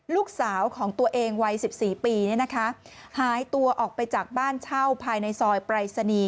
ลูกสาวของตัวเองวัย๑๔ปีหายตัวออกไปจากบ้านเช่าภายในซอยปรายศนีย์